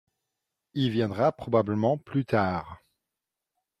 il viendra probablement plus tard.